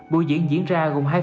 bộ diễn diễn ra gồm hai phần